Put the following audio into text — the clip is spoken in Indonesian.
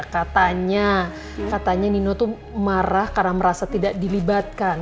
katanya katanya nino tuh marah karena merasa tidak dilibatkan